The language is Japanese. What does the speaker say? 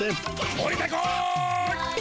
おりてこい！